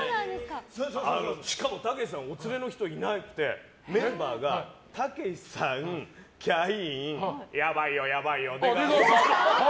しかもたけしさんお連れの人いなくてメンバーがたけしさん、キャインやばいよ、やばいよ出川さん。